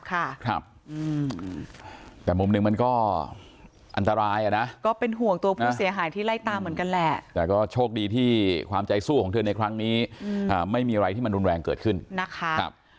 ครับอืมแต่มุมหนึ่งมันก็อันตรายอ่ะนะก็เป็นห่วงตัวผู้เสียหายที่ไล่ตามเหมือนกันแหละแต่ก็โชคดีที่ความใจสู้ของเธอในครั้งนี้ไม่มีอะไรที่มันรุนแรงเกิดขึ้นนะคะครับ